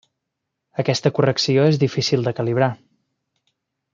Aquesta correcció és difícil de calibrar.